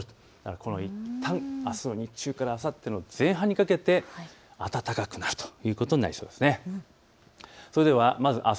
このように、いったんあすの日中からあさっての前半にかけて暖かくなるということになりそうです。